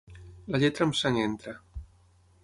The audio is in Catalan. La lletra amb sang entra.